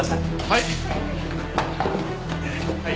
はい。